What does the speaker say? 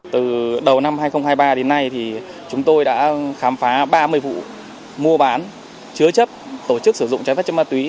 từ đầu năm hai nghìn hai mươi ba đến nay thì chúng tôi đã khám phá ba mươi vụ mua bán chứa chấp tổ chức sử dụng trái phép chất ma túy